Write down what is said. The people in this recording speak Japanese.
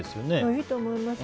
いいと思います。